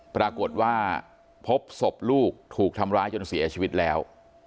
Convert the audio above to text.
ปรากฏว่าพบศพลูกถูกทำร้ายจนเสียชีวิตแล้ว